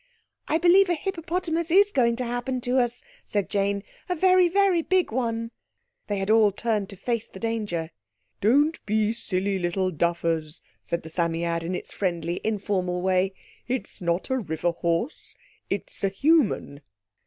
"I believe a hippopotamus is going to happen to us," said Jane—"a very, very big one." They had all turned to face the danger. "Don't be silly little duffers," said the Psammead in its friendly, informal way; "it's not a river horse. It's a human."